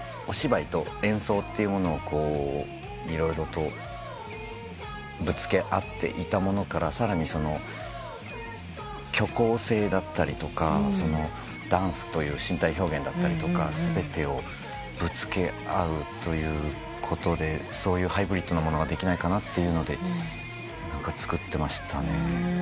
お芝居と演奏っていうものを色々とぶつけ合っていたものからさらに虚構性だったりとかダンスという身体表現だったり全てをぶつけ合うということでそういうハイブリッドなものができないかなというので作ってましたね。